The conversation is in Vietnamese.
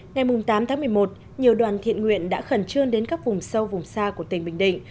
ngày tám tháng một mươi một nhiều đoàn thiện nguyện đã khẩn trương đến các vùng sâu vùng xa của tỉnh bình định